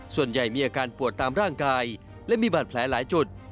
ส่วนใหญ่มีอาการปวดตามร่างกายและมีบาดแผลหลายจุด